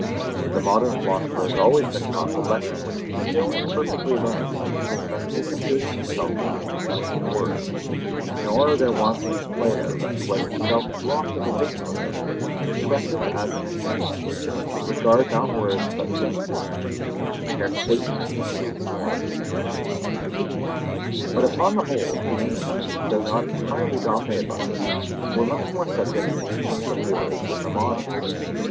The modern philosopher has always been taught the lesson which he still imperfectly learns, that he must disengage himself from the influence of words. Nor are there wanting in Plato, who was himself too often the victim of them, impressive admonitions that we should regard not words but things (States.). But upon the whole, the ancients, though not entirely dominated by them, were much more subject to the influence of words than the moderns.